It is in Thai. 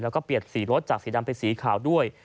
แล้วก็เปลี่ยนสีรถจากสีดำเป็นสีขาวด้วย